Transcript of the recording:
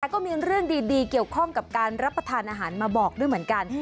ก็มีเรื่องดีเกี่ยวข้องกับการรับประทานอาหารมาบอกด้วยเหมือนกัน